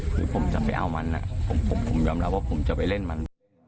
คือผมจะไปเอามันผมยอมรับว่าผมจะไปเล่นมัน